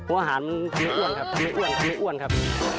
หัวอาหารทำไม่อ้วนครับทำไม่อ้วนทำไม่อ้วนครับ